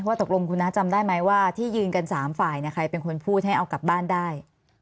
ตกลงคุณน้าจำได้ไหมว่าที่ยืนกัน๓ฝ่ายใครเป็นคนพูดให้เอากลับบ้านได้